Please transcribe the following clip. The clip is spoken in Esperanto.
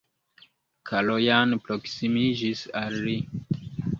Kalojan proksimiĝis al li.